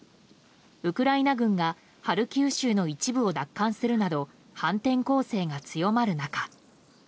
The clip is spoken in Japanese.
ウクライナ軍がハルキウ州の一部を奪還するなど反転攻勢が強まる中